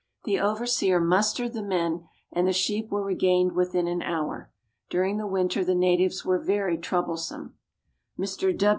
The overseer mustered the men, and the sheep were regained within an hour. During the winter the natives were very troublesome. Mr.